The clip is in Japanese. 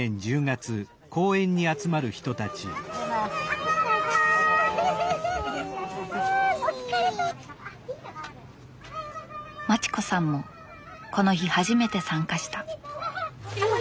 まちこさんもこの日初めて参加した。